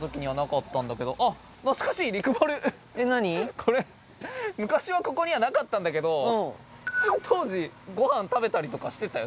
海昔はここにはなかったんだけど郝ごはん食べたりとかしてたよ